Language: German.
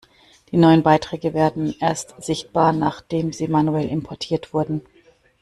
Die neuen Beiträge werden erst sichtbar, nachdem sie manuell importiert wurden.